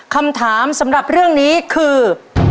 คำถามสำหรับเรื่องนี้คือ